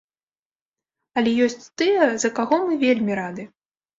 Але ёсць тыя, за каго мы вельмі рады.